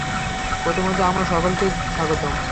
প্রথমত আপনাদের সকলকে স্বাগতম।